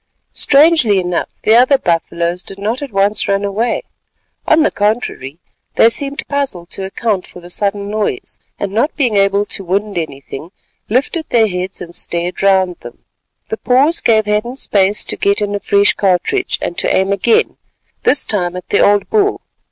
Strangely enough the other buffaloes did not at once run away. On the contrary, they seemed puzzled to account for the sudden noise; and, not being able to wind anything, lifted their heads and stared round them. The pause gave Hadden space to get in a fresh cartridge and to aim again, this time at the old bull.